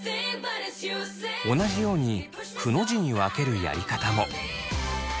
同じようにくの字に分けるやり方も。